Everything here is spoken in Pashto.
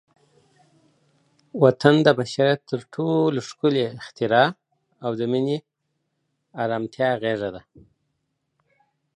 وطن د بشریت تر ټولو ښکلی اختراع او د مینې، ارامتیا غېږه ده.